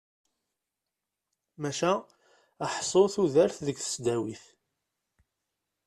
Maca ḥsu tudert deg tesdawit.